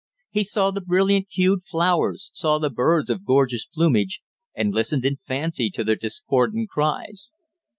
He saw the brilliant hued flowers, saw the birds of gorgeous plumage, and listened in fancy to their discordant cries.